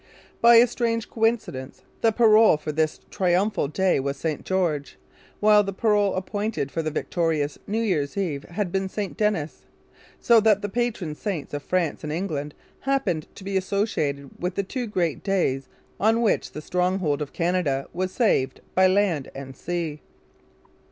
By a strange coincidence the parole for this triumphal day was St George, while the parole appointed for the victorious New Year's Eve had been St Denis; so that the patron saints of France and England happen to be associated with the two great days on which the stronghold of Canada was saved by land and sea.